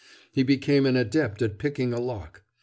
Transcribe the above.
He became an adept at picking a lock.